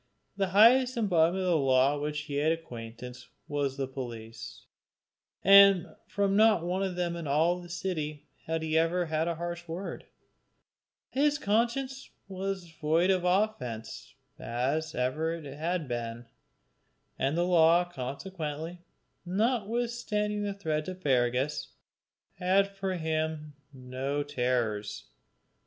The highest embodiment of the law with which he had acquaintance was the police, and from not one of them in all the city had he ever had a harsh word; his conscience was as void of offence as ever it had been, and the law consequently, notwithstanding the threats of Fergus, had for him no terrors.